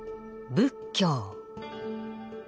仏教。